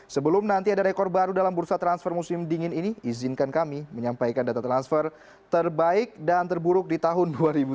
sebelum nanti ada rekor baru dalam bursa transfer musim dingin ini izinkan kami menyampaikan data transfer terbaik dan terburuk di tahun dua ribu dua puluh